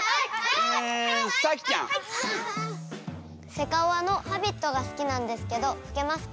セカオワの「Ｈａｂｉｔ」が好きなんですけど吹けますか？